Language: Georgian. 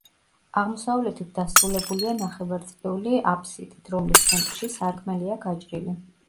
აღმოსავლეთით დასრულებულია ნახევარწრიული აბსიდით, რომლის ცენტრში სარკმელია გაჭრილი.